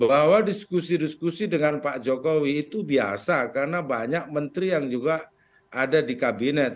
bahwa diskusi diskusi dengan pak jokowi itu biasa karena banyak menteri yang juga ada di kabinet